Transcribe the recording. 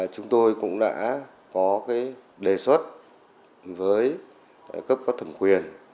chúng tôi cũng đã có đề xuất với cấp có thẩm quyền